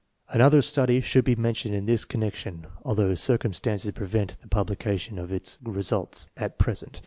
Another study should be mentioned in this connec tion, although circumstances prevent the publication of its results at present.